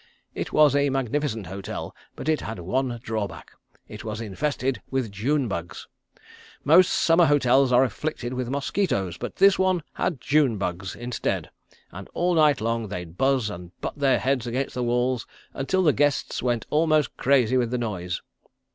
It was a magnificent hotel, but it had one drawback it was infested with June bugs. Most summer hotels are afflicted with mosquitoes, but this one had June bugs instead, and all night long they'd buzz and butt their heads against the walls until the guests went almost crazy with the noise.